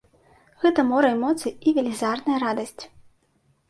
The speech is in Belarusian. Гэта мора эмоцый і велізарная радасць.